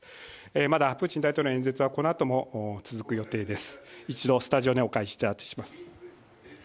まだプーチン大統領の演説はこのあとも続く予定です。